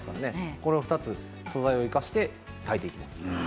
この２つの素材を生かして炊いていきます。